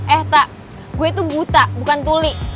eh tak gue itu buta bukan tuli